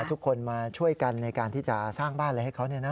ทุกคนมาช่วยกันในการที่จะสร้างบ้านอะไรให้เขา